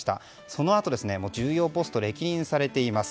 そのあと重要ポストを歴任されています。